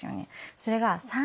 それが。